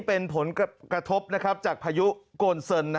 เป็นผลกระทบจากพายุโกนเซิน